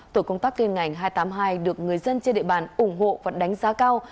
tổ công tác liên ngành hai trăm tám mươi hai được người dân trên địa bàn ủng hộ và đánh giá cao